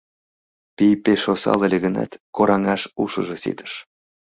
Пий пеш осал ыле гынат, кораҥаш ушыжо ситыш.